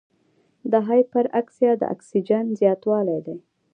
د هایپراکسیا د اکسیجن زیاتوالی دی.